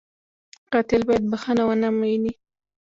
قاتل باید بښنه و نهويني